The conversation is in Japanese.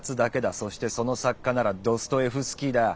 そしてその作家ならドストエフスキーだ。